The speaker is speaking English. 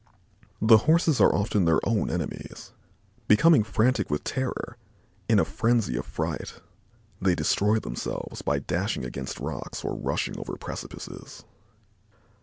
The Horses are often their own enemies. Becoming frantic with terror, in a frenzy of fright, they destroy themselves by dashing against rocks or rushing over precipices.